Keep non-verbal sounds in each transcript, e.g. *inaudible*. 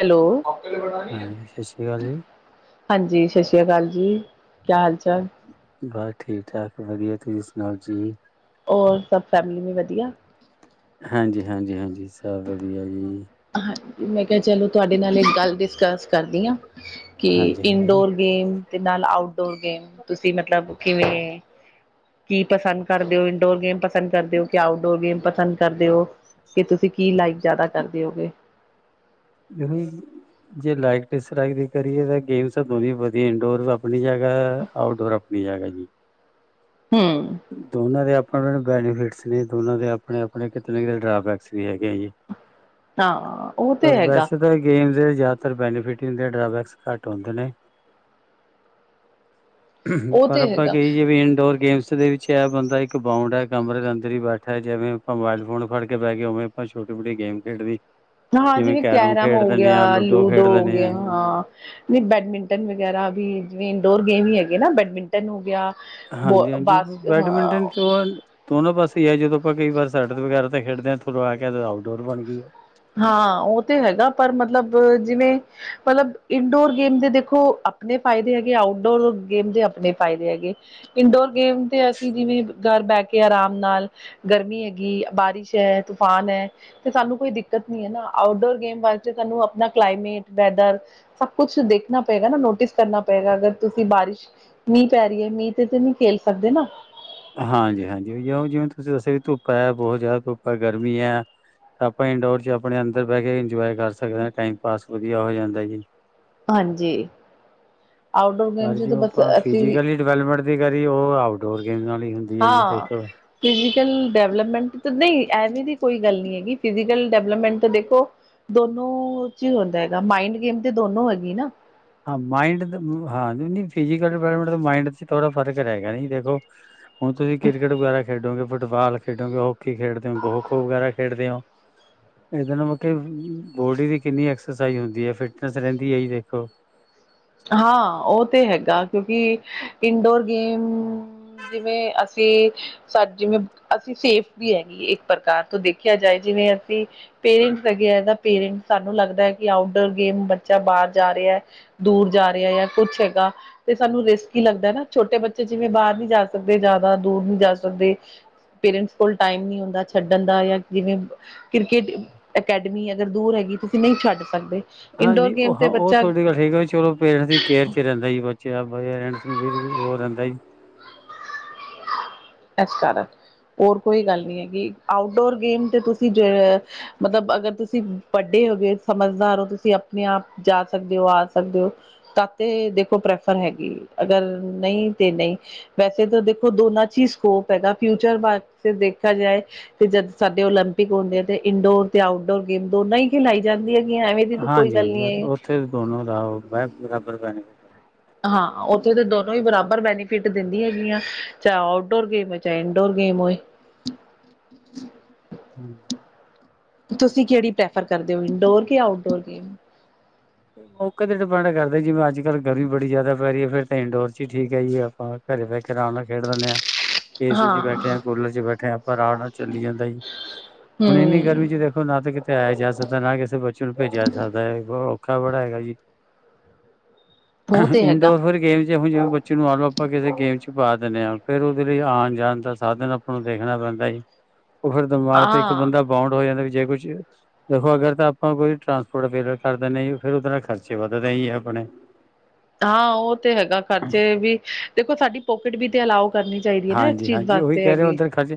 Hello ਹਾਂਜੀ ਸਤਿ ਸ਼੍ਰੀ ਅਕਾਲ ਜੀ ਹਾਂਜੀ ਸਤਿ ਸ਼੍ਰੀ ਅਕਾਲ ਜੀ ਕਿਆ ਹਾਲ-ਚਾਲ। ਬਸ ਠੀਕ-ਠਾਕ ਵਧੀਆ, ਤੁਸੀਂ ਸੁਣਾਓ ਜੀ। ਹੋਰ ਸਭ ਫੈਮਿਲੀ ਵੀ ਵਧੀਆ। ਹਾਂਜੀ ਹਾਂਜੀ ਹਾਂਜੀ ਸਭ ਵਧੀਆ ਜੀ ਹਾਂਜੀ ਮੈਂ ਕਿਹਾ ਚਲੋ ਤੁਹਾਡੇ ਨਾਲ ਇੱਕ ਗੱਲ ਡਿਸਕਸ ਕਰਦੀ ਹਾਂ ਕਿ ਹਾਂਜੀ ਹਾਂਜੀ ਇਨਡੋਰ ਗੇਮ ਤੇ ਨਾਲ ਆਊਟਡੋਰ ਗੇਮ ਤੁਸੀਂ ਮਤਲਬ ਕਿਵੇਂ? ਕੀ ਪਸੰਦ ਕਰਦੇ ਓ ਇੰਡੋਰ ਗੇਮ। ਪਸੰਦ ਕਰਦੇ ਓ ਕਿ ਆਊਟਡੋਰ ਗੇਮ ਪਸੰਦ ਕਰਦੇ ਓ, ਕਿ ਤੁਸੀਂ ਕੀ ਲਾਈਕ ਜ਼ਿਆਦਾ ਕਰਦੇ ਹੋਗੇ। ਗਰਮੀ ਦੀ। ਜੇ ਲਾਈਫ ਡਸਕਰਾਇਬ ਦੀ ਕਰੀਏ ਤਾਂ ਗੇਮਸ ਦੋਨੇ ਵਧੀਆ ਇਨਡੋਰ ਆਪਣੀ ਜਗਾ, ਆਊਟਡੋਰ ਵੀਜ਼ਾ ਹੈਗਾ ਜੀ। ਹੂੰ। ਦੋਨਾਂ ਦੇ ਆਪਣੇ ਨੂੰ ਬੈਨੀਫਿਟਸ ਨੇ, ਦੋਨਾਂ ਦੇ ਆਪਣੇ-ਆਪਣੇ ਕਿਤੇ ਨਾ ਕਿਤੇ ਡਰਾਬੈਕਸ ਵੀ ਹੈਗੇ ਆ ਜੀ। ਹਾਂ। ਉਹ ਤੇ ਹੈਗਾ ਵੈਸੇ ਤਾਂ ਗੇਮ ਦੇ ਜ਼ਿਆਦਾਤਰ ਬੈਨੀਫਿਟ ਹੁੰਦੇ ਨੇ ਡਰਾਬੈਕਸ ਘੱਟ ਹੁੰਦੇ ਨੇ। ਉਹ ਪਰ ਤੇ ਆਪਾਂ ਹੈਗਾ ਕਹੀਏ ਵੀ ਇੰਡੋਰ ਗੇਮਸ ਦੇ ਵਿੱਚ ਚ ਬੰਦਾ ਇੱਕ ਬਾਊਂਡ ਐ, ਕਮਰੇ ਦੇ ਅੰਦਰ ਹੀ ਬੈਠਾ ਹੈ ਜਿਵੇਂ ਆਪਾਂ ਮੋਬਾਇਲ ਫੋਨ ਫੜ ਕੇ ਬਹਿ ਗਏ ਉਵੇਂ ਆਪਾ ਛੋਟੀ ਮੋਟੀ ਗੇਮ ਖੇਡ ਵੀ ਹਾਂ ਜਿਵੇਂ ਕੈਰਮ ਹੋ ਗਿਆ, ਲੂਡੋ ਹੋ ਗਿਆ ਹਾਂ। ਬੈਡਮਿੰਟਨ ਵਗੈਰਾ ਵੀ ਜਿਵੇਂ ਇੰਡੋਰ ਗੇਮ ਵੀ ਹੈਗੇ ਨਾ ਬੈਡਮਿੰਟਨ ਬੈਡਮਿੰਟਨ ਹੋ ਗਿਆ, ਹਾਂਜੀ ਬੋਸ ਬਾਸ ਹਾਂ। ਦੋਨੋਂ ਪਾਸੇ ਹੀ ਐ, ਜਦੋਂ ਆਪਾਂ ਕਈ ਵਾਰ ਸੱਟਤ ਵਗੈਰਾ ਤਾਂ ਖੇਡਦੇ ਹਾਂ ਥ ਆ ਕੇ ਆਊਟਡੋਰ ਬਣ ਗਈ ਉਹ ਹਾਂ ਉਹ ਤੇ ਹੈਗਾ ਪਰ ਮਤਲਬ ਜਿਵੇਂ ਮਤਲਬ ਇਨਡੋਰ ਗੇਮ ਦੇਖੋ ਆਪਣੇ ਫਾਇਦੇ ਹੈਗੇ, ਆਊਟਡੋਰ ਗੇਮ ਦੇ ਆਪਣੇ ਫਾਇਦੇ ਹੈਗੇ। ਇੰਡੋਰ ਗੇਮ ਤੇ ਅਸੀਂ ਜਿਵੇਂ ਘਰ ਬਹਿ ਕੇ ਆਰਾਮ ਨਾਲ ਗਰਮੀ ਹੈਗੀ, ਬਾਰਿਸ਼ ਐਂ, ਤੂਫਾਨ ਐ ਤੇ ਸਾਨੂੰ ਕੋਈ ਦਿੱਤ ਦਿੱਕਤ ਨਹੀਂ ਏ ਨਾ, ਆਊਟਡੋਰ ਗੇਮ ਵਾਸਤੇ ਤੁਹਾਨੂੰ ਆਪਣਾ ਕਲਾਈਮੇਟ ਵੈਦਰ ਸਭ ਕੁਛ ਦੇਖਣਾ ਪਏਗਾ ਨਾ, ਨੋਟਿਸ ਕਰਨਾ ਪਏਗਾ ਅਗਰ ਤੁਸੀਂ ਬਾਰਿਸ਼ ਮੀਂਹ ਪੈ ਰਹੀ ਐ, ਮੀਂਹ ਤੇ ਨਹੀਂ ਖੇਲ ਸਕਦੇ ਨਾ। ਹਾਂਜੀ-ਹਾਂਜੀ, ਜਾਓ ਜਿਵੇਂ ਤੁਸੀਂ ਦੱਸਿਆ ਵੀ ਧੁੱਪ ਐ, ਬਹੁਤ ਜ਼ਿਆਦਾ ਧੁੱਪ ਐ, ਗਰਮੀ ਐ। ਆਪਾਂ ਇੰਡੋਰ ਚ ਆਪਣੇ ਅੰਦਰ ਬਹਿ ਕੇ ਇੰਜੋਏ ਕਰ ਸਕਦੇ ਹਾਂ। ਟਾਈਮ ਪਾਸ ਵਧੀਆ ਹੋ ਜਾਂਦਾ ਜੀ। ਹਾਂਜੀ, ਆਊਟਡੋਰ ਪਰ ਗੇਮਸ ਤਾਂ ਜੋ ਬਸ ਆਪਾਂ ਅਸੀਂ ਫਿਜ਼ੀਕਲੀ ਡਿਵੈਲਪਮੈਂਟ ਦੀ ਕਰੀ, ਉਹ ਆਊਟਡੋਰ ਗੇਮ ਵਾਲੀ ਹੁੰਦੀ ਹੈ ਜੀ ਦੇ ਫਿਜੀਕਲ ਡਿਵਲਪਮੈਂਟ ਤਾਂ ਨਹੀਂ ਐਵੇਂ ਦੀ ਕੋਈ ਗੱਲ ਨਹੀਂ ਹੈਗੀ, ਫਿਜੀਕਲ ਡਿਵਲਪਮੈਂਟ ਤਾਂ ਦੇਖੋ ਦੋਨੋ ਚ ਹੀ ਹੁੰਦਾ ਹੈਗਾ, ਮਾਇੰਡ ਗੇਮ ਤੇ ਦੋਨੋ ਹੈਗੀ ਨਾ ਹਾਂ ਮਾਇੰਡ, ਹਾਂ ਫਿਜੀਕਲ ਡਿੈਲਪਮੈਂਟ, ਮਾਇੰਡ ਚ ਥੋੜਾ ਫਰਕ ਰਹਿਗਾ ਨੀ ਦੇਖੋ ਹੁਣ ਤੁਸੀਂ ਕ੍ਰਿਕਟ ਵਗੈਰਾ ਖੇਡੋਗੇ, ਫੁੱਟਬਾਲ ਖੇਡੋਗੇ, ਹੋਕੀ ਖੇਡਦੇ ਹੋ ਖੋ-ਖੋ ਵਗੈਰਾ ਖੇਡਦੇ ਹੋ। ਇਹਦੇ ਨਾਲ ਮਤਲਬ ਬੋਡੀ ਦੀ ਕਿੰਨੀ ਐਕਸਰਸਾਈਜ਼ ਹੁੰਦੀ ਐ, ਫਿਟਨੈਸ ਰਹਿੰਦੀ ਹੈ ਹੀ ਦੇਖੋ ਹਾਂ, ਉਹ ਤੇ ਹੈਗਾ ਕਿਉਂਕਿ ਇੰਡੋਰ ਗੇਮ ਜਿਵੇਂ ਅਸੀਂ ਸੱਚ ਜਿਵੇਂ ਅਸੀਂ ਸੇਫ ਵੀ ਹੈਗੀ ਇੱਕ ਪ੍ਰਕਾਰ ਤੋਂ ਦੇਖਿਆ ਜਾਏ ਜਿਵੇਂ ਅਸੀਂ ਪੇਰੈਂਟਸ ਹੈਗੇ ਪੇਰੈਂਟ ਸਾਨੂੰ ਲੱਗਦਾ ਆ ਕਿ ਆਊਟਡੋਰ ਗੇਮ ਬੱਚਾ ਬਾਹਰ ਜਾ ਰਿਹਾ ਆ। ਦੂਰ ਜਾ ਰਿਹਾ ਜਾਂ ਕੁਛ ਹੈਗਾ। ਤੇ ਸਾਨੂੰ ਰਿਸਕ ਹੀ ਲੱਗਦਾ ਨਾ, ਛੋਟੇ ਬੱਚੇ ਜਿਵੇਂ ਬਾਹਰ ਨੀ ਜਾ ਸਕਦੇ, ਜ਼ਿਆਦਾ ਦੂਰ ਨੀ ਜਾ ਸਕਦੇ। ਪੇਰੈਂਟਸ ਕੋਲ ਟਾਈਮ ਨੀ ਹੁੰਦਾ ਛੱਡਣ ਦਾ ਜਾਂ ਜਿਵੇਂ ਕ੍ਰਿਕਟ ਅਕੈਡਮੀ ਅਗਰ ਦੂਰ ਹੈਗੀ ਤੁਸੀਂ ਨਹੀਂ ਛੱਡ ਸਕਦੇ ਹਾਂ ਇੰਡੋਰ ਨਹੀਂ ਗੇਮ ਉਹ ਹਾਂ ਤੇ ਉਹ ਬੱਚਾ ਤੁਹਾਡੀ ਗੱਲ ਠੀਕ ਚਲੋ ਪੇਰੈਂਟਸ ਦੀ ਕੇਅਰ ਚ ਰਹਿੰਦਾ ਜੀ ਬੱਚੇ ਵੀ ਹੋ ਰਹਿੰਦਾ ਜੀ। ਇਸ ਕਾਰਨ ਹੋਰ ਕੋਈ ਗੱਲ ਨਹੀਂ ਹੈਗੀ। ਆਊਟਡੋਰ ਗੇਮ ਤੇ ਤੁਸੀਂ ਜ ਮਤਲਬ ਅਗਰ ਤੁਸੀਂ ਵੱਡੇ ਹੋ ਗਏ, ਸਮਝਦਾਰ ਹੋ ਤੁਸੀਂ ਆਪਣੇ ਆਪ ਜਾ ਸਕਦੇ ਹੋ, ਆ ਸਕਦੇ ਹੋ। ਤਾਂ ਤੇ ਦੇਖੋ ਪ੍ਰੈਫਰ ਹੈਗੀ ਅਗਰ ਨਈ ਤੇ ਨਈ। ਵੈਸੇ ਤਾਂ ਦੇਖੋ ਦੋਨਾਂ ਚੀਜ਼ ਸਕੋਪ ਹੈਗਾ ਫਿਊਚਰ ਬਾਰੇ ਦੇਖਾ ਜਾਏ। ਤੇ ਜਦ ਸਾਡੇ ਓਲੰਪਿਕ ਹੁੰਦੇ ਆ ਤੇ ਇੰਨਡੋਰ ਤੇ ਆਊਟਡੋਰ ਗੇਮ ਦੋਨਾਂ ਹੀ ਖਿਲਾਈ ਜਾਂਦੀ ਹੈਗੀ ਐਵੇਂ ਦੀ ਤਾਂ ਕੋਈ ਹਾਂਜੀ ਗੱਲ ਹਾਂਜੀ ਨਹੀਂ ਹੈਗੀ। ਉੱਥੇ ਦੋਨੋ ਰਾਹ ਉਹ ਬਰਾਬਰ ਪੈਣੇ। ਹਾਂ, ਉੱਥੇ ਤਾਂ ਦੋਨੋਂ ਹੀ ਬਰਾਬਰ ਬੈਨੀਫਿਟ ਦਿੰਦੀ ਹੈਗੀਆਂ। ਚਾਹੇ ਆਊਟਡੋਰ ਗੇਮ ਹੋਏ, ਚਾਹੇ ਇੰਨਡੋਰ ਗੇਮ ਹੋਏ। ਹੂੰ। ਤੁਸੀਂ ਕਿਹੜੀ ਪ੍ਰੈਫਰ ਕਰਦੇ ਹੋ, ਇੰਡੋਰ ਕਿ ਆਊਟਡੋਰ ਗੇਮ? ਮੌਕੇ ਤੇ ਡਿਪੈਂਡ ਕਰਦਾ, ਜਿਵੇਂ ਅੱਜ-ਕੱਲ ਗਰਮੀ ਬੜੀ ਜ਼ਿਆਦਾ ਪੈ ਰਹੀ ਫਿਰ ਤਾਂ ਇੰਡੋਰ ਚ ਹੀ ਠੀਕ ਹੈ ਜੀ ਆਪਾਂ। ਘਰੇ ਬਹਿ ਕੇ ਆਰਾਮ ਨਾਲ ਖੇਡ ਦਿੰਦੇ ਹਾਂ। ਏ ਸੀ ਚ ਬੈਠੇ ਹਾਂ ਆ, ਕੂਲਰ ਚ ਬੈਠੇ ਆ ਆਪਾਂ ਆਰਾਮ ਨਾਲ ਚੱਲੀ ਜਾਂਦਾ ਜੀ। ਹੁਣ ਇੰਨੀ ਗਰਮੀ ਹੂੰ ਚ ਦੇਖੋ ਨਾ ਤਾਂ ਕਿ ਆਇਆ ਜਾ ਸਕਦਾ ਨਾ ਕਿਸੇ ਬੱਚੇ ਨੂੰ ਭੇਜਿਆ ਸਕਦਾ ਏ, ਔਖਾ ਬੜਾ ਹੈਗਾ ਜੀ। ਉਹ ਤੇ ਹੈਗਾ ਇੰਡੋਰ ਫੇਰ ਗੇਮ ਤੇ ਹੁਣ ਜਿਵੇਂ ਬੱਚੇ ਨੂੰ ਮਨ ਲਓ ਆਪਾਂ ਕਿਸੇ ਗੇਮ ਚ ਪਾ ਦਿੰਦੇ ਹਾਂ ਫਿਰ ਉਹਦੇ ਲਈ ਆਣ ਜਾਣ ਦਾ ਸਾਧਨ ਆਪਾਂ ਨੂੰ ਦੇਖਣਾ ਪੈਂਦਾ ਜੀ। ਉਹ ਫਿਰ ਦਿਮਾਗ ਤੇ ਇੱਕ ਹਾਂ। ਬੰਦਾ ਬੋਂਡ ਹੋ ਜਾਂਦਾ ਵੀ ਜੇ ਕੁਛ ਦੇਖੋ ਅਗਰ ਤਾਂ ਆਪਾਂ ਕੋਈ ਟਰਾਂਸਪੋਰਟ ਅਵੇਲੇਬਲ ਕਰ ਦਿੰਦੇ ਆ ਜੀ। ਫਿਰ ਉਹਦੇ ਨਾਲ ਖਰਚੇ ਵੱਧਦੇ ਜੀ ਆਪਣੇ। ਹਾਂ ਉਹ ਤੇ ਹੈਗਾ ਖਰਚੇ ਵੀ ਦੇਖੋ ਸਾਡੀ ਪੋਕਿਟ ਵੀ ਤੇ ਅਲਾਓ ਕਰਨੀ ਚਾਹੀਦੀ ਹੈ ਨਾ ਇਸ ਚੀਜ਼ ਹਾਂਜੀ-ਹਾਂਜੀ ਉਹੀ ਵਾਸਤੇ ਕਹਿ ਰਹੇ ਹੈਗੇ ਉੱਧਰ ਖਰਚੇ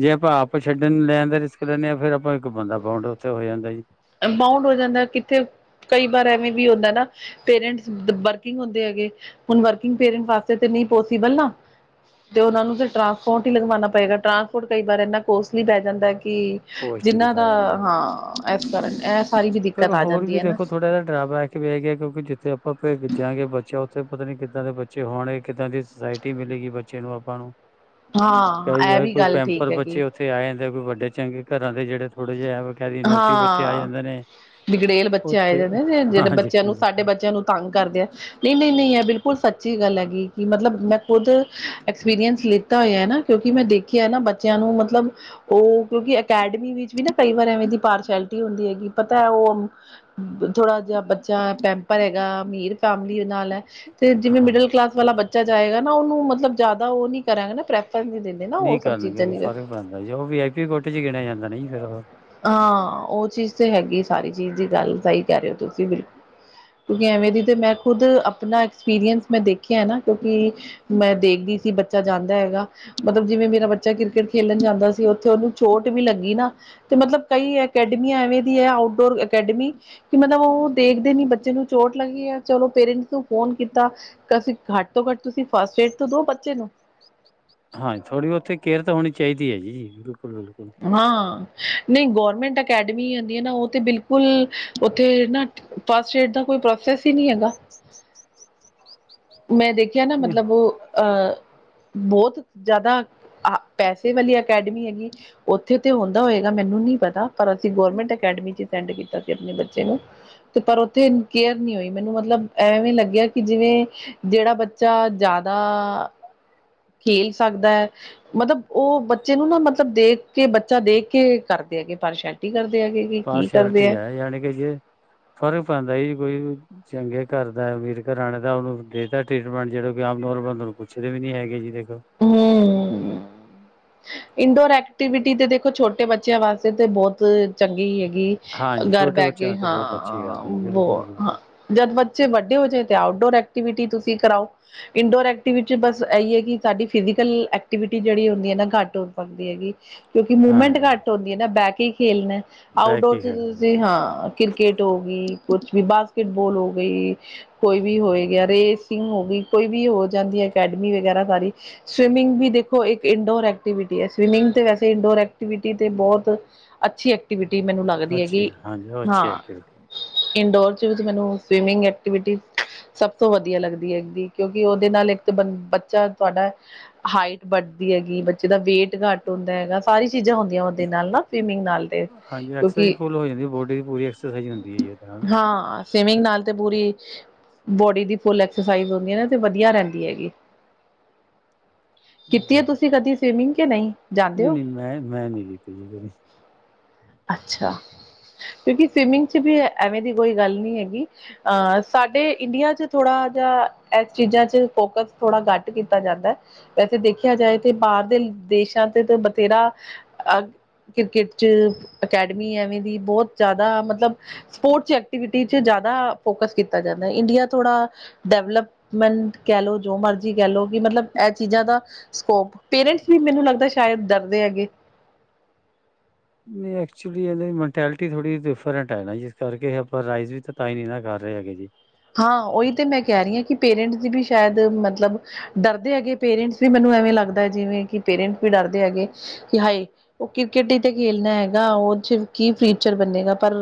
ਜੇ ਆਪਾਂ ਆਪ ਛੱਡਣ ਲੈਣ ਦਾ ਰਿਸਕ ਲੈਂਦੇ ਹਾਂ ਫਿਰ ਆਪਾਂ ਇੱਕ ਬੰਦਾ ਬੋਂਡ ਉੱਥੇ ਹੋ ਜਾਂਦਾ ਜੀ। ਬਾਊਂਡ ਹੋ ਜਾਂਦਾ ਕਿੱਥੇ ਕਈ ਵਾਰ ਐਵੇਂ ਵੀ ਹੁੰਦਾ ਨਾ ਪੇਰੈਂਟਸ ਵਰਕਿੰਗ ਹੁੰਦੇ ਹੈਗੇ ਹੁਣ ਵਰਕਿੰਗ ਪੇਰਟ ਵਾਸਤੇ ਨਹੀਂ ਪੋਸੀਬਲ ਨਾ। ਤੇ ਉਹਨਾਂ ਨੂੰ ਫਿਰ ਟਰਾਂਸਪੋਰਟ ਹੀ ਲਗਵਾਉਣਾ ਪਏਗਾ ਟਰਾਂਸਪੋਰਟ ਕਈ ਵਾਰ ਇੰਨਾ ਕੋਸਟਲੀ ਪੈ ਜਾਂਦਾ ਕਿ ਕੋਸਟ ਦੀ ਜਿੰਨਾਂ ਪੈ ਦਾ ਜਾਂਦਾ ਹਾਂ, ਇਸ ਕਾਰਨ ਇਸ ਪਰ ਹੋਰ ਵੀ ਦੇਖੋ ਥੋੜਾ ਜਿਹਾ ਡਰਾਬੈਕ ਵੀ ਹੈ ਗਿਆ ਕਿਉਂਕਿ ਜਿੱਥੇ ਆਪਾਂ ਪੈਜਾਂਗੇ ਬੱਚਿਆ ਉਥੇ ਉੱਥੇ ਪਤਾ ਨੀ ਕਿੱਦਾਂ ਦੇ ਬੱਚੇ ਹੋਣਗੇ ਕਿੱਦਾਂ ਦੀ ਸੁਸਾਇਟੀ ਮਿਲੇਗੀ ਬੱਚੇ ਨੂੰ ਆਪਾਂ ਨੂੰ। ਹਾਂ ਕਈ ਇਹ ਵਾਰ ਵੀ ਕੋਈ ਗੱਲ ਪੈਂਪਰ ਠੀਕ ਹੈਗੀ ਬਚੇ ਉੱਥੇ ਉਥੇ ਆ ਜਾਂਦੇ ਕੋਈ ਵੱਡੇ ਚੰਗੇ ਘਰਾਂ ਦੇ ਜਿਹੜੇ ਥੋੜੇ ਜਿਹੇ ਕਹਿ ਨੋਟੀ ਬੱਚੇ ਆ ਹਾਂ ਜਾਂਦੇ ਨੇ। ਬਿਗੜੇਲ ਬੱਚੇ ਆਏ ਉੱਥੇ ਜਾਂਦੇ ਨੇ ਜਿਹੜੇ ਹਾਂਜੀ ਬੱਚਿਆਂ ਨੂੰ ਹਾਂਜੀ ਸਾਡੇ ਬੱਚਿਆਂ ਨੂੰ ਤੰਗ ਕਰਦੇ ਆ। ਨਈਂ-ਨਈਂ ਇਹ ਬਿਲਕੁਲ ਸੱਚੀ ਗੱਲ ਹੈਗੀ ਕਿ ਮਤਲਬ ਮੈਂ ਖੁਦ ਐਕਸਪੀਰੀਅੰਸ ਲਿੱ ਤਾ ਹੋਇਆ ਨਾ ਕਿਉਂਕਿ ਮੈਂ ਦੇਖਿਆ ਨਾ ਬੱਚਿਆਂ ਨੂੰ ਮਤਲਬ ਉਹ ਕਿਉਂਕਿ ਅਕੈਡਮੀ ਵਿੱਚ ਵੀ ਨਾ ਕਈ ਵਾਰ ਐਵੇਂ ਦੀ ਪਾਰਸ਼ੈਲਿਟੀ ਹੁੰਦੀ ਹੈਗੀ ਪਤਾ ਹੈ ਉਹ ਥੋੜਾ ਜਿਹਾ ਬੱਚਾ ਪੈਂਪਰ ਹੈਗਾ ਅਮੀਰ ਫੈਮਲੀ ਨਾਲ ਹੈ। ਤੇ ਜਿਵੇਂ ਹਾਂ ਮਿਡਲ ਕਲਾਸ ਵਾਲਾ ਬੱਚਾ ਜਾਏਗਾ ਨਾ ਉਹਨੂੰ ਮਤਲਬ ਜਾਦਾ ਉਹ ਨਹੀਂ ਕਰਾਂਗਾ ਨਾ ਪ੍ਰੈਫਰਸ ਨਹੀਂ ਦਿ ਨਾ ਉਹ ਨਹੀਂ ਸਭ ਚੀਜ਼ਾਂ ਕਰਨਗੇ *unintelligible* ਫ਼ਰਕ ਪੈਂਦਾ ਉਹ ਵੀ ਆਈਟੀ ਕੋਟੇ ਚ ਗਿਣਿਆ ਜਾਂਦਾ ਨਹੀਂ ਫਿਰ ਉਹ। ਹਾਂ ਉਹ ਚੀਜ਼ ਤੇ ਹੈਗੀ ਸਾਰੀ ਚੀਜ਼ ਦੀ ਗੱਲ ਸਹੀ ਕਹਿ ਰਹੇ ਹੋ ਤੁਸੀਂ ਬਿਲਕੁ ਕਿਉਂਕਿ ਐਵੇਂ ਦੀ ਤੇ ਮੈਂ ਖੁਦ ਆਪਣਾ ਐਕਸਪੀਰੀਅੰਸ ਮੈਂ ਦੇਖਿਆ ਹੈ ਨਾ ਕਿਉਂਕਿ ਮੈਂ ਦੇਖਦੀ ਸੀ ਬੱਚਾ ਜਾਂਦਾ ਹੈਗਾ ਮਤਲਬ ਜਿਵੇਂ ਮੇਰਾ ਬੱਚਾ ਕ੍ਰਿਕਟ ਖੇਲਣ ਜਾਂਦਾ ਸੀ ਉੱਥੇ ਉਹਨੂੰ ਚੋਟ ਵੀ ਲੱਗੀ ਨਾ ਤੇ ਮਤਲਬ ਕਈ ਅਕੈਡਮੀਆਂ ਐਵੇਂ ਦੀ ਹੈ ਆਊਟਡੋਰ ਅਕੈਡਮੀ ਕਿ ਮਤਲਬ ਉਹ ਦੇਖਦੇ ਨੀ ਬੱਚੇ ਨੂੰ ਚੋਟ ਲੱਗੀ ਆ ਚਲੋ ਪੇਰੈਂਟਸ ਨੂੰ ਫੋਨ ਕੀਤਾ *unintelligible* ਘੱਟ ਤੋਂ ਘੱਟ ਤੁਸੀਂ ਫਸਟ ਏਡ ਤੇ ਦੋ ਬੱਚੇ ਨੂੰ। ਹਾਂਜੀ ਥੋੜ੍ਹੀ ਉੱਥ ਕੇਅਰ ਤਾਂ ਹੋਣੀ ਚਾਹੀਦੀ ਹੈ ਜੀ ਬਿਲਕੁਲ-ਬਿਲਕੁਲ। ਹਾਂ ਨਈ ਗੌਰਮੈਂਟ ਅਕੈਡਮੀ ਹੁੰਦੀ ਹੈ ਨਾ ਉਹ ਤਾਂ ਬਿਲਕੁਲ ਉੱਥੇ ਨਾ ਫਸਟ ਏਡ ਦਾ ਕੋਈ ਪ੍ਰੋਸੈਸ ਹੀ ਨੀ ਹੈਗਾ। *inaudible* ਮੈਂ ਦੇਖਿਆ ਨਾ ਮਤਲਬ ਉਹ ਅਹ, ਬਹੁਤ ਜ਼ਿਆਦਾ ਆ ਪੈਸੇ ਵਾਲੀ ਅਕੈਡਮੀ ਹੈਗੀ ਉੱਥੇ ਤੇ ਹੁੰਦਾ ਹੋਏਗਾ ਮੈਨੂੰ ਨੀ ਪਤਾ। ਪਰ ਅਸੀਂ ਗੌਰਮੈਂਟ ਅਕੈਡਮੀ ਚ ਅਟੈਡ ਕੀਤਾ। ਆਪਣੇ ਬੱਚੇ ਨੂੰ, ਤੇ ਪਰ ਉੱਥੇ ਕੇਅਰ ਨਹੀ ਹੋਈ ਮੈਨੂੰ ਮਤਲਬ ਐਵੇਂ ਲੱਗਿਆ ਕਿ ਜਿਵੇਂ ਜਿਹੜਾ ਬੱਚਾ ਜ਼ਿਆਦਾ ਖੇਲ ਸਕਦਾ। ਮਤਲਬ ਉਹ ਬੱਚੇ ਨੂੰ ਨਾ ਮਤਲਬ ਦੇਖ ਕੇ ਬੱਚਾ ਦੇਖ ਕੇ ਕਰਦੇ ਹੈਗੇ ਪਰਸ਼ ਕੀ ਹੈਗੇ ਕੀ, ਕੀ ਕਰਦੇ ਹੈ। ਯਾਨੀ ਕਿ ਜੇ ਫਰਕ ਪੈਂਦਾ ਜੀ ਕੋਈ ਚੰਗੇ ਘਰ ਦਾ ਅਮੀਰ ਘਰਾਂ ਨੇ ਦਾ ਉਹਨੂੰ ਦੇਤਾ ਟਰੀਟਮੈਂਟ ਜਿਹੜ ਕਿ ਆਮ ਨੋਰਮਲ ਨੂੰ ਪੁੱਛਦੇ ਵੀ ਨੀ ਹੈਗੇ ਜੀ ਦੇਖੋ। ਹਮ ਇਨਡੋਰ ਐਕਟੀਵਿਟੀ ਤੇ ਦੇਖੋ ਛੋ ਟੇ ਬੱਚਿਆਂ ਵਾਸਤੇ ਤਾਂ ਬਹੁਤ ਚੰਗੀ ਹੈਗੀ। ਹਾਂਜੀ ਘਰ ਛੋਟੇ ਬਹਿ ਕੇ, ਬੱਚਿਆਂ ਤੇ ਬਹੁਤ ਅੱਛੀ ਗੱਲ ਹਾਂ ਹੈ ਜੀ ਬ ਬਿਲਕੁਲ ਹਾਂ। ਬਿਲਕੁਲ ਜਦ ਬੱਚੇ ਵੱਡੇ ਹੋ ਜਾਏ ਤੇ ਆਊਟਡੋਰ ਐਕਟੀਵਿਟੀ ਤੁਸੀਂ ਕਰਾਓ। ਇੰਡੋਰ ਐਕਟੀਵ ਵਿਚ ਬਸ ਇਹੀ ਹੈ ਕਿ ਸਾਡੀ ਫਿਜ਼ਕਲ ਐਕਟੀਵਿਟੀ ਜਿਹੜੀ ਹੁੰਦੀ ਹੈ ਨਾ ਘੱਟ ਹੋ ਸਕਦੀ ਹੈਗੀ ਕਿਉਂਕਿ ਮੂਵਮੈਂਟ ਹਾਂਜੀ ਘੱਟ ਇਹ ਨਾ ਬਹਿ ਕੇ ਹੀ ਖੇਲਨਾ, ਬਹਿ ਆਊਟਡੋਰ ਕੇ ਚ ਖੇਡਦੇ ਨੇ, ਤੁਸੀਂ ਹਾਂ। ਕ੍ਰਿਕੇਟ ਹੋ ਗਈ, ਕੁਛ ਵੀ ਬਾਸਕਿਟਬਲ ਹੋ ਗਈ। ਕੋਈ ਵੀ ਹੋਏ ਗਿਆ ਰੇਸਿੰਗ ਹੋ ਗਈ ਕੋਈ ਵੀ ਹੋ ਜਾਂਦੀ ਅਕੈਡਮੀ ਵਗੈਰਾ ਸਾਰੀ। ਸਵਿਮਿੰਗ ਵੀ ਦੇਖੋ ਇੱਕ ਇਨਡੋਰ ਐਕਟੀਵਿਟੀ ਹੈ। ਸਵਿਮਿੰਗ ਤੇ ਵੈਸੇ ਇੰਡੋਰ ਐਕਟੀਵਿਟੀ ਤੇ ਬਹੁਤ ਅੱਛੀ ਐਕਟੀਵਿਟੀ ਮੈਨੂੰ ਲੱਗਦੀ ਅੱਛੀ ਹੈਗੀ, ਹੈ ਹਾਂਜੀ ਉਹ ਅੱਛੀ ਹਾਂ। ਐਕਟੀਵਿਟੀ ਇੰਡੋਰ ਚ ਵਿੱਚ ਮੈਨੂੰ ਸਵੀਮਿੰਗ ਐਕਟੀਵਿਟੀ ਸਭ ਤੋਂ ਵਧੀਆ ਲੱਗਦੀ ਹੈ। ਕਿਉਂਕਿ ਉਹਦੇ ਨਾਲ ਇੱਕ ਤਾਂ ਬ ਬੱਚਾ ਤੁਹਾਡਾ ਹਾਈਟ ਵੱਧਦੀ ਹੈਗੀ, ਬੱਚੇ ਦਾ ਵੇਟ ਘੱਟ ਹੁੰਦਾ ਹੈਗਾ ਸਾਰੀ ਚੀਜ਼ਾਂ ਹੁੰਦੀ ਆ ਉਹਦੇ ਨਾਲ ਨਾ ਸਵਿਮਿੰਗ ਨਾਲ ਤੇ ਹਾਂਜੀ ਕਿਉਂਕਿ, ਐਕਸਰਸਾਈਜ਼ ਫੁੱਲ ਹੋ ਜਾਂਦੀ ਬੋਡੀ ਦੀ ਪੂਰੀ ਐਕਸਰਸਾਈਜ਼ ਹੁੰਦੀ ਹੈ ਜੀ ਉਹਦੇ ਨਾਲ ਹਾਂ। ਸਵੀਮਿੰਗ ਨਾਲ ਤੇ ਪੂਰੀ, ਬੋਡੀ ਦੀ ਫੁਲ ਐਕਸਰਸਾਈਜ਼ ਹੁੰਦੀ ਹੈ ਨਾ ਤੇ ਵਧੀਆ ਰਹਿੰਦੀ ਹੈਗੀ। ਕੀਤੀ ਹੈ ਬਿਲਕੁਲ, ਤੁਸੀਂ ਕਦੀ ਸਵੀਮਿੰਗ ਕਿ ਨਹੀਂ? ਜਾਂਦੇ ਨਹੀਂ ਹੋ -ਨਹੀਂ ਮੈਂ ਮੈਂ ਨੀ ਕੀਤੀ ਜੀ ਕਦੀ। ਅੱਛਾ, ਕਿਉਂਕਿ ਸਵਿਮਿੰਗ ਚ ਵੀ ਐਵੇਂ ਦੀ ਕੋਈ ਗੱਲ ਨਹੀਂ ਹੈਗੀ। ਆ ਸਾਡੇ ਇੰਡੀਆ ਚ ਥੋੜਾ ਜਿਹਾ ਇਸ ਚੀਜ਼ਾਂ ਚ ਫੋਕਸ ਥੋੜ੍ਹਾ ਘੱਟ ਕੀਤਾ ਜਾਂਦਾ। ਵੈਸੇ ਦੇਖਿਆ ਜਾਏ ਤੇ ਬਾਹਰ ਦੇ ਦੇਸ਼ਾਂ ਤੇ ਬਥੇਰਾ ਅ ਕ੍ਰਿਕਟ ਚ 'ਅਕੈਡਮੀ ਐਵੇਂ ਦੀ ਬਹੁਤ ਜ਼ਿਆਦਾ ਮਤਲਬ ਸਪੋਰਟਸ ਐਕਟੀਵਿਟੀ 'ਚ ਜ਼ਿਆਦਾ ਫੋਕਸ ਕੀਤਾ ਜਾਂਦਾ ਹੈ। ਇੰਡੀਆ ਥੋੜ੍ਹਾ ਡਵਲਪਮੈਂਟ ਕਹਿ ਲਓ ਜੋ ਮਰ ਜੀ ਕਹਿ ਲਓ ਕਿ ਮਤਲਬ ਇਹ ਚੀਜ਼ਾਂ ਦਾ ਸਕੋਪ ਪੇਰੈਂਟਸ ਵੀ ਮੈਨੂੰ ਲੱਗਦਾ ਸ਼ਾਇਦ ਡਰਦੇ ਹੈਗੇ। ਨਹੀਂ, ਐਕਚੁਲੀ ਇਹਨਾਂ ਦੀ ਮੈਂਟੈਲਿਟੀ ਥੋੜੀ ਡਿਫਰੈਂਟ ਹੈ ਨਾ ਜਿਸ ਕਰਕੇ ਇਹ ਆਪ ਰਾਈਜ਼ ਵੀ ਤਾਂ ਈ ਨੀ ਨਾ ਕਰ ਰਹੇ ਹੈਗੇ ਜੀ। ਹਾਂ ਉਹੀ ਤੇ ਮੈਂ ਕਹਿ ਰਹੀ ਹਾਂ। ਕਿ ਪੇਰੈਂਟਸ ਦੀ ਵੀ ਸ਼ਾਇਦ ਮਤਲਬ ਡਰਦੇ ਹੈਗੇ ਪੇਰੈਂਟਸ ਵੀ ਮੈਨੂੰ ਐਵੇਂ ਲੱਗਦਾ ਜਿਵੇਂ ਕਿ ਪੇਰੈਂਟਸ ਵੀ ਡਰਦੇ ਹੈਗੇ ਕਿ ਹਾਏ! ਉਹ ਕ੍ਰਿਕੇਟ ਹੀ ਤੇ ਖੇਲਣਾ ਹੈਗਾ ਉਹ ਚ ਕੀ ਫਿਊਚਰ ਬਣੇੇਗਾ ਪਰ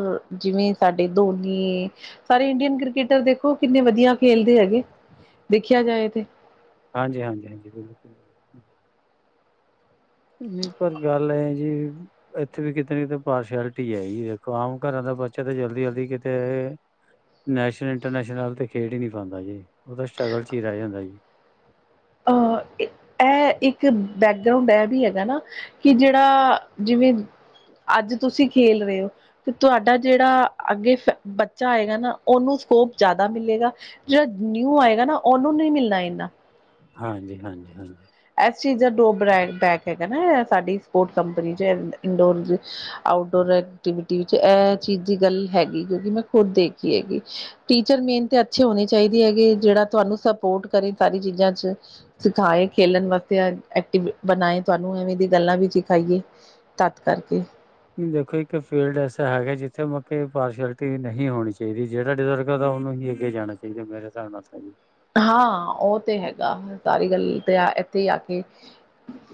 ਜਿਵੇਂ ਸਾਡੇ ਧੋਨੀ, ਸਾਰੇ ਇੰਡੀਅਨ ਕ੍ਰਿਕਟ ਇੱਧਰ ਦੇਖੋ, ਕਿੰਨੇ ਵਧੀਆ ਖੇਲਦੇ ਹੈਗੇ। ਦੇਖਿਆ ਜਾਏ ਤੇ। ਹਾਂਜੀ-ਹਾਂਜੀ ਬਿਲਕੁਲ। ਨਹੀਂ ਪਰ ਗੱਲ ਐ ਜੀ। ਇੱਥੇ ਵੀ ਕਿਤੇ ਨਾ ਕਿਤੇ ਪਾਰਸ਼ਲਿਟੀ ਹੈ ਜੀ ਦੇਖੋ ਆਮ ਘਰਾਂ ਦਾ ਬੱਚਾ ਤਾਂ ਜਲਦੀ-ਜਲਦੀ ਕਿਤੇ ਨੈਸ਼ਨ ਇੰਟਰਨੈਸ਼ਨ ਲੈਵਲ ਤੇ ਖੇਡ ਹੀ ਨਹੀਂ ਪਾਉਂਦਾ ਜੀ, ਉਹਦਾ ਸਟਟਰਗਲ ਚ ਹੀ ਰਹਿ ਜਾਂਦਾ ਜੀ। *inaudible* ਅਹ ਇਹ ਇੱਕ ਬੈਕਗਰਾਉਂਡ ਇਹ ਵੀ ਹੈਗਾ ਨਾ ਕਿ ਜਿਹੜਾ ਜਿਵੇਂ। ਅੱਜ ਤੁਸੀਂ ਖੇਲ ਰਹੇ ਹੋ। ਤੇ ਤੁਹਾਡਾ ਜਿਹੜਾ ਅੱਗੇ ਬੱਚਾ ਆਏਗਾ ਨਾ ਉਹਨੂੰ ਸਕੋਪ ਜ਼ਿਆਦਾ ਮਿਲੇਗਾ। ਜਿਹੜਾ ਨਿਊ ਆਏਗਾ ਨਾ ਉਹਨੂੰ ਨਹੀਂ ਮਿਲਣਾ ਇੰਨਾ। ਹਾਂਜੀ-ਹਾਂਜੀ ਇਸ ਚੀਜ਼ ਦਾ ਡਰੋ ਬੈਕ ਹੈਗਾ ਨਾ ਇਹ ਸਾਡੀ ਸਪੋਰਟ ਕੰਪਨੀ ਚ ਇੰਡੋਰ ਆਊਟਡੋਰ ਐਕਟੀਵਿਟੀ ਵਿੱਚ ਇਹ ਚੀਜ਼ ਦੀ ਗੱਲ ਹੈਗੀ ਕਿਉਂਕਿ ਮੈਂ ਖੁਦ ਦੇਖੀ ਹੈਗੀ। ਟੀਚਰ ਮੇਨ ਤੇ ਅੱਛੇ ਹੋਣੇ ਚਾਹੀਦੇ ਹੈਗੇ ਜਿਹੜਾ ਤੁਹਾਨੂੰ ਸਪੋਰਟ ਕਰੇ ਸਾਰੀ ਚੀਜ਼ਾਂ ਚ। ਸਿਖਾਏ ਖੇਲਣ ਵਾਸਤੇ ਐਕਟਵ ਬਣਾਏ ਤੁਹਾਨੂੰ ਐਵੇਂ ਦੀ ਗੱਲਾਂ ਵੀ ਸਿਖਾਈਏ ਤਦ ਕਰਕੇ। ਦੇਖੋ ਇੱਕ ਫੀਲਡ ਐਸਾ ਹੈਗਾ ਜਿੱਥੇ ਮਤਲਬ ਪਾਰਸ਼ਲਿਟੀ ਨਹੀਂ ਹੋਣੀ ਚਾਹੀਦੀ ਜਿਹੜਾ ਡਿਜ਼ਰਵ ਕਰਦਾ ਉਹਨੂੰ ਹੀ ਅੱਗੇ ਜਾਣਾ ਚਾਹੀਦਾ ਮੇਰੇ ਹਿਸਾਬ ਨਾਲ ਤਾਂ ਜੀ। ਹਾਂ ਉਹ ਤੇ ਹੈਗਾ ਸਾਰੀ ਗੱਲ ਤੇ ਆ ਇੱਥੇ ਹੀ ਆ ਕੇ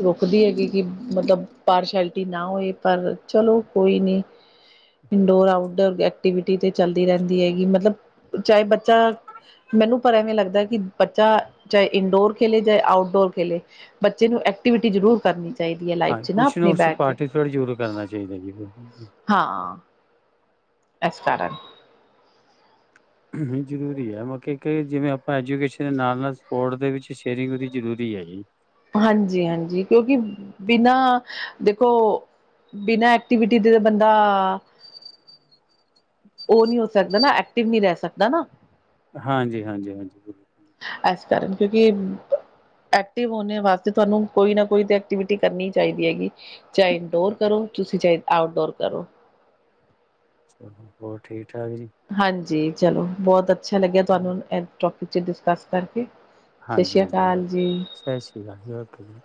ਰੁਕਦੀ ਹੈਗੀ ਕਿ ਮਤਲਬ, ਪਾਰਸ਼ੈਲਿਟੀ ਨਾ ਹੋਏ ਪਰ ਚਲੋ ਕੋਈ ਨੀ। ਇੰਡੋਰ ਆਊਟਡੋਰ ਐਕਟੀਵਿਟੀ ਤੇ ਚੱਲਦੀ ਰਹਿੰਦੀ ਹੈਗੀ ਮਤਲਬ ਚਾਹੇ ਬੱਚਾ ਮੈਨੂੰ ਪਰ ਐਵੇਂ ਲੱਗਦਾ ਕਿ ਬੱਚਾ ਚਾਹੇ ਇੰਡੋਰ ਖੇਲੇ ਚਾਹੇ ਆਊਟਡੋਰ ਖੇਲੇ ਬੱਚੇ ਨੂੰ ਐਕਟੀਵਿਟੀ ਜ਼ਰੂਰ ਕਰਨੀ। ਚਾਹੀਦੀ ਹੈ ਹਾਂ ਲਾਈਫ 'ਚ ਕੁਛ ਨਾ ਆਪਣੀ ਕੁਛ ਬਹਿ ਕੇ ਪਾਰਟੀਸਪੇਟ ਜ਼ਰੂਰ ਕਰਨਾ ਚਾਹੀਦਾ ਜੀ। ਹਾਂ ਇਸ ਕਾਰਨ ਜ਼ਰੂਰੀ ਹੈ ਮਤਲਬ ਇੱਕ ਜਿਵੇਂ ਆਪਾਂ ਐਜੂਕੇਸ਼ਨ ਦੇ ਨਾਲ- ਨਾਲ ਸਪੋਰਟਸ ਦੇ ਵਿੱਚ ਸ਼ੇਅਰਿੰਗ ਉਹਦੀ ਜ਼ਰੂਰੀ ਹੈ ਜੀ। ਹਾਂਜੀ -ਹਾਂਜੀ ਕਿਉਂਕਿ ਬਿਨਾਂ ਦੇਖੋ। ਬਿਨਾਂ ਐਕਟੀਵਿਟੀ ਦੇ ਤੇ ਬੰਦਾ ਉਹ ਨਹੀਂ ਹੋ ਸਕਦਾ ਨਾ ਐਕਟਿਵ ਨਹੀਂ ਰਹਿ ਸਕਦਾ ਨਾ। ਹਾਂਜੀ- ਹਾਂਜੀ -ਹਾਂਜੀ ਬਿਲੁ ਇਸ ਕਾਰਨ ਕਿਉਂਕਿ ਐਕਟਿਵ ਹੋਣੇ ਵਾਸਤੇ ਤੁਹਾਨੂੰ ਕੋਈ ਨਾ ਕੋਈ ਤਾਂ ਐਕਟੀਵਿਟੀ ਕਰਨੀ ਚਾਹੀਦੀ ਹੈਗੀ। ਚਾਹੇ ਇੰਡੋਰ ਕਰੋ ਤੁਸੀਂ ਚਾਹੇ ਆਊਟਡੋਰ ਕਰੋ। ਚਲੋ ਹੋਰ ਠੀਕ ਠਾਕ ਜੀ। ਹਾਂਜੀ ਚਲੋ ਬਹੁਤ ਅੱਛਾ ਲੱਗਿਆ ਤੁਹਾਨੂੰ ਟੋਪਿਕ 'ਚ ਡਿਸਕਸ ਕਰਕੇ ਸਤਿ ਹਾਂਜੀ- ਸ਼੍ਰੀ ਹਾਂਜੀ ਬਿਲਕੁਲ ਅਕਾਲ ਜੀ ਸਤਿ ਸ਼੍ਰੀ ਅਕਾਲ ਜੀ ਓਕੇ ਜੀ।